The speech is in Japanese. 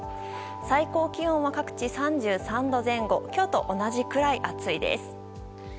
最高気温は各地３３度前後今日と同じくらい暑いです。